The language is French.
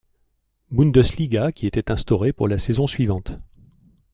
Bundesliga qui était instaurée pour la saison suivante.